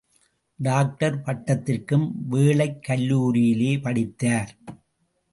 Doctor பட்டத்திற்கும் வேளைக் கல்லூரியிலேயே படித்தார்.